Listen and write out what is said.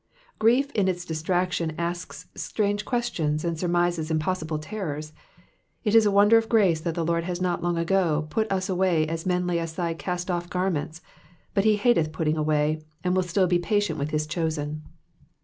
Grief in its distraction asks strange, questions and surmises impossible terrors. It is a wonder of grace that the Lord has not long ago put us away as men lay aside cast off garments, but he hateth putting away, and will still be patient with his chosen.